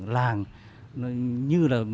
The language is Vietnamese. làng như là